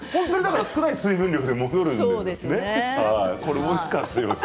少ない水分量で戻るんですよね。